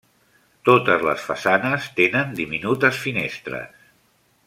Totes les façanes tenen diminutes finestres.